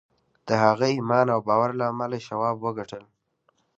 د هغه ایمان او باور له امله شواب وګټل